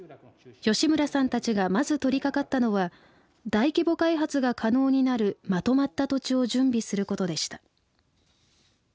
吉村さんたちがまず取りかかったのは大規模開発が可能になるまとまった土地を準備することでした。